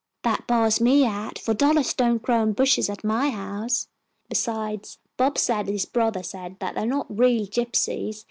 That bars me out, for dollars don't grow on bushes at my house. Besides, Bob said his brother said that they are not real gypsies.